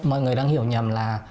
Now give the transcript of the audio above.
mọi người đang hiểu nhầm là